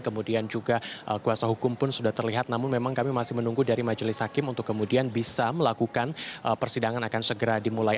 kemudian juga kuasa hukum pun sudah terlihat namun memang kami masih menunggu dari majelis hakim untuk kemudian bisa melakukan persidangan akan segera dimulai